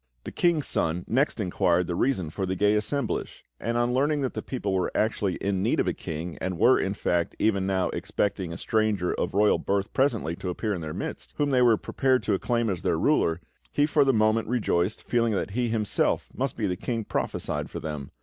The King's Son next inquired the reason for the gay assemblage; and on learning that the people were actually in need of a king, and were, in fact, even now expecting a stranger of royal birth presently to appear in their midst, whom they were prepared to acclaim as their ruler, he for the moment, rejoiced, feeling that he, himself, must be the King prophesied for them.